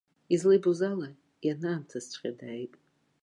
Излеибоз ала, ианаамҭазҵәҟьа дааит.